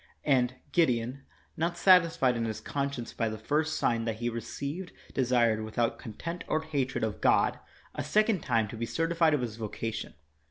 And Gideon, not satisfied in his conscience by the first sign that he received, desired, without contempt cr hatred of God, a second time to be certified of his voca tion.